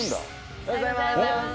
おはようございます。